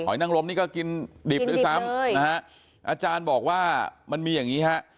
นังลมนี่ก็กินดิบด้วยซ้ำนะฮะอาจารย์บอกว่ามันมีอย่างนี้ฮะ